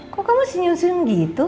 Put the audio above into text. kok kamu masih nyusun gitu